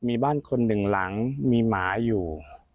มีบ้านคนหนึ่งหลังมีหมาอยู่